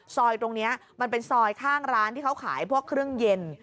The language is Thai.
ซอยตรงนี้มันเป็นซอยข้างร้านที่เขาขายพวกเครื่องเย็น